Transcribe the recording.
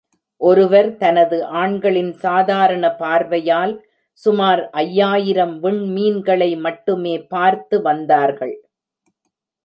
ஒருவர் தனது ஆண்களின் சாதாரண பார்வையால் சுமார் ஐயாயிரம் விண்மீன்களை மட்டுமே பார்த்து வந்தார்கள்.